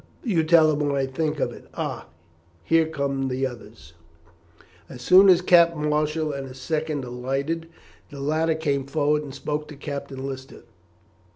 You tell him what I think of it. Ah! here comes the others." As soon as Captain Marshall and his second alighted, the latter came forward and spoke to Captain Lister.